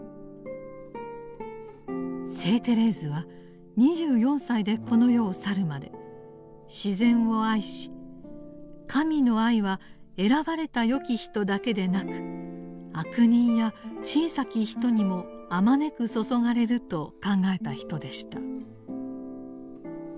聖テレーズは２４歳でこの世を去るまで自然を愛し神の愛は選ばれた善き人だけでなく悪人や小さき人にもあまねく注がれると考えた人でした。